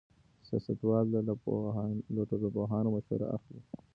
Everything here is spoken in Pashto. سیاستوال له ټولنپوهانو مشوره اخلي.